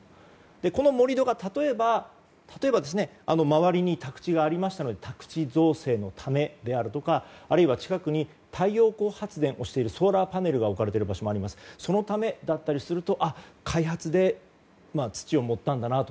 この盛り土が、例えば周りに宅地がありましたので宅地造成のためであるとかあるいは近くに太陽光発電をしている、ソーラーパネルが置かれている場所もありますのでそのためだったりすると開発で土を盛ったんだなと。